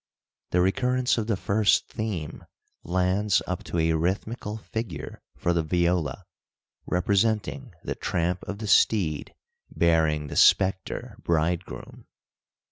The recurrence of the first theme lands up to a rhythmical figure for the viola, representing the tramp of the steed bearing the spectre bridegroom.